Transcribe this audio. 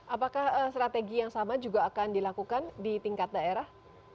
apakah strategi yang sama juga akan dilakukan di tingkat daerah